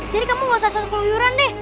jadi kamu gak usah selalu keluyuran deh